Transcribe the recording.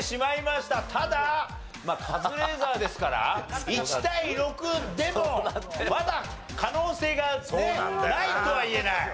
ただカズレーザーですから１対６でもまだ可能性がねないとは言えない。